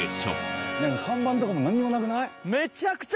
看板とかもなんにもなくない？